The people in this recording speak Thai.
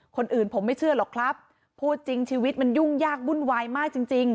คนอื่นผมไม่เชื่อหรอกครับพูดจริงชีวิตมันยุ่งยากวุ่นวายมากจริงจริง